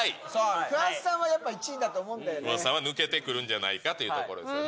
桑田さんは１位だと思うんだ桑田さんは抜けてくるんじゃないかというところですよね。